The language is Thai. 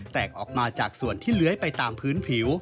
แตกออกมาจากส่วนที่เลื้อยไปตามพื้นผิว